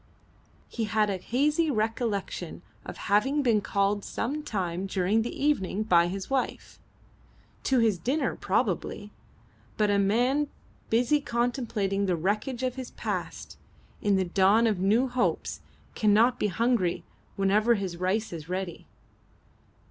He had a hazy recollection of having been called some time during the evening by his wife. To his dinner probably. But a man busy contemplating the wreckage of his past in the dawn of new hopes cannot be hungry whenever his rice is ready.